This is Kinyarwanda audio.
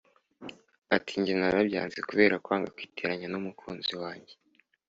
Ati “Jye narabyanze kubera kwanga kwiteranya n’umukunzi wanjye